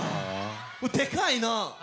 でかいな！